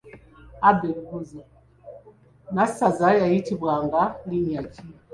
Nassaza yayitibwanga linnya ki?